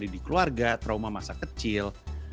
di keluarga trauma masa kecil